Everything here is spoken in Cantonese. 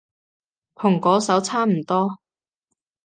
同嗰首差唔多